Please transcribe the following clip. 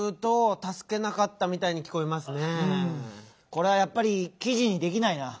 これはやっぱりきじにできないな。